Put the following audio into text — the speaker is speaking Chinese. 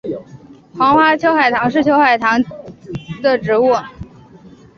黄花秋海棠是秋海棠科秋海棠属的植物。